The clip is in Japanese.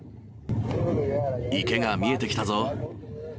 池が見えてきたぞ。